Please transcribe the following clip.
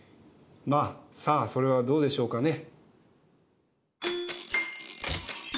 まあさあそれはどうでしょうかね。